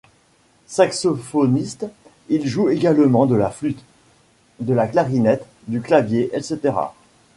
Saxophoniste, il joue également de la flûte, de la clarinette, du clavier, etc.